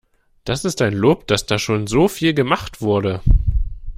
Das ist ein Lob, dass da schon so viel gemacht wurde.